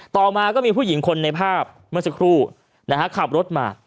ต่อมาก็มีผู้หญิงคนในภาพเมื่อสักครู่ขับรถมา